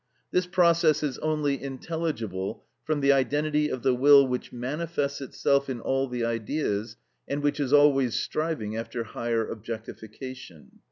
This process is only intelligible from the identity of the will which manifests itself in all the Ideas, and which is always striving after higher objectification.